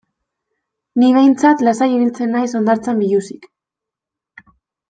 Ni behintzat lasai ibiltzen naiz hondartzan biluzik.